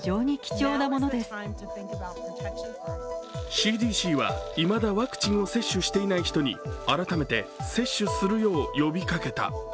ＣＤＣはいまだワクチンを接種していない人に改めて接種するよう呼びかけた。